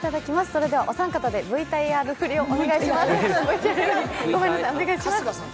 それではお三方でＶＴＲ振りをお願いします。